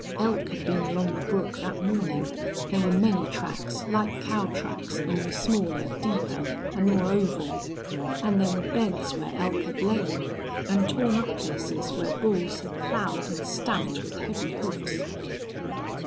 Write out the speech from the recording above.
Elk had been along the brook that morning. There were many tracks, like cow tracks, only smaller, deeper, and more oval; and there were beds where elk had lain, and torn up places where bulls had plowed and stamped with heavy hoofs.